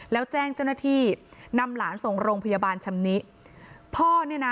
แล้วแจ้งเจ้าหน้าที่นำหลานส่งโรงพยาบาลชำนิพ่อเนี่ยนะ